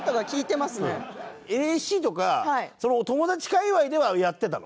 ＮＳＣとかその友達界隈ではやってたの？